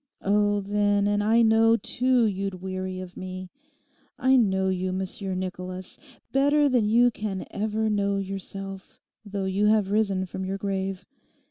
Oh, then, and I know, too, you'd weary of me. I know you, Monsieur Nicholas, better than you can ever know yourself, though you have risen from your grave.